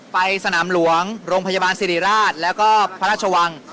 ไปสนามหลวงโรงพยาบาลสิริราชแล้วก็พระราชวัง